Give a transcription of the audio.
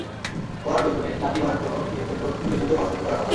তোমার পেছনে লাথি মারা কোনও মেয়েকে তো এমনিতেও পছন্দ করার কথা না!